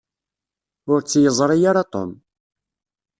Ur tt-yeẓṛi ara Tom.